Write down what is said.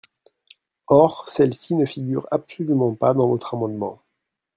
Or celle-ci ne figure absolument pas dans votre amendement.